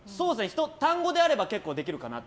単語であれば結構できるかなと。